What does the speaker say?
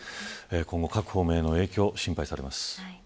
今後各方面への影響が心配されます。